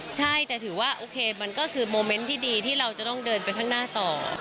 ใช่แต่ถือว่าโอเคมันก็คือโมเมนต์ที่ดีที่เราจะต้องเดินไปข้างหน้าต่อ